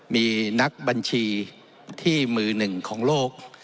มีนักบัญชีที่มือหนึ่งของโลก